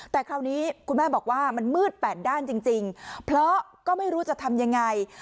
แต่คราวนี้คุณแม่บอกว่ามันมืดแปดด้านจริงเพราะก็ไม่รู้จะทำยังไง